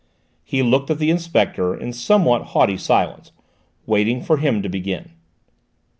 He looked at the inspector in somewhat haughty silence, waiting for him to begin.